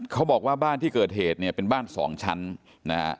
เขาบอกว่าบ้านที่เกิดเหตุเนี่ยเป็นบ้านสองชั้นนะฮะ